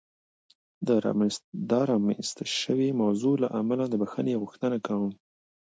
د رامنځته شوې موضوع له امله د بخښنې غوښتنه کوم.